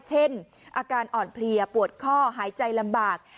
เช่นอาการอ่อนเพลียปวดข้อหายใจลำบาก